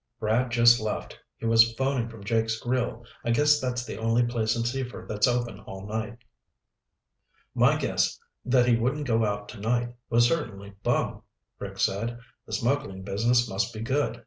"Brad just left. He was phoning from Jake's Grill. I guess that's the only place in Seaford that's open all night." "My guess that he wouldn't go out tonight was certainly bum," Rick said. "The smuggling business must be good.